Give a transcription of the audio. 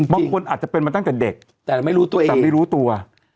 บางคนอาจจะเป็นมาตั้งแต่เด็กแต่ไม่รู้ตัวแต่ไม่รู้ตัว